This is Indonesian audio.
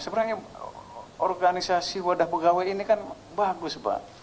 sebenarnya organisasi wadah pegawai ini kan bagus pak